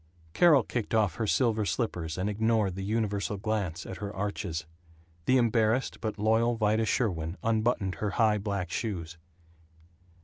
Carol kicked off her silver slippers, and ignored the universal glance at her arches. The embarrassed but loyal Vida Sherwin unbuttoned her high black shoes.